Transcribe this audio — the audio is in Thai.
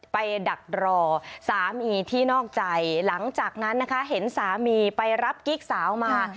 ดักรอสามีที่นอกใจหลังจากนั้นนะคะเห็นสามีไปรับกิ๊กสาวมา